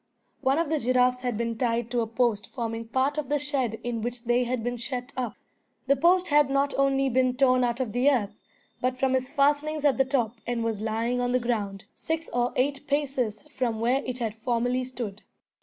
One of the giraffes had been tied to a post forming part of the shed in which they had been shut up. The post had not only been torn out of the earth, but from its fastenings at the top, and was lying on the ground, six or eight paces from where it had formerly stood.